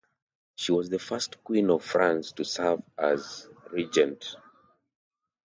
She was the first queen of France to serve as regent.